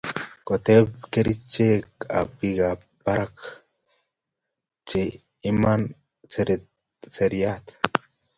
koteb kerichek ab barak eng piik che imiani seriat